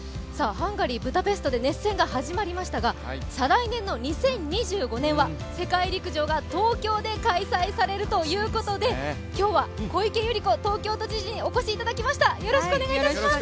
ハンガリー・ブダペストで熱戦が始まりましたが再来年の２０２５年は世界陸上が東京で開催されるということで今日は小池百合子東京都知事にお越しいただきました。